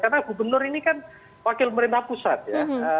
karena gubernur ini kan wakil pemerintah pusat ya